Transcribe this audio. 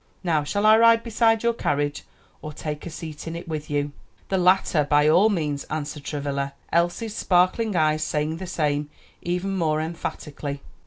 "Now shall I ride beside your carriage? or take a seat in it with you?" "The latter, by all means," answered Travilla, Elsie's sparkling eyes saying the same, even more emphatically.